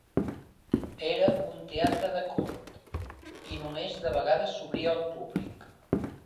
Era un teatre de cort, i només de vegades s'obria al públic.